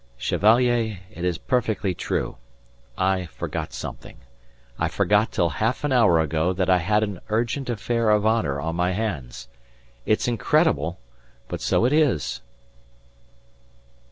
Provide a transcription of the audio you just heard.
"Chevalier, it is perfectly true. I forgot something. I forgot till half an hour ago that I had an urgent affair of honour on my hands. It's incredible but so it is!"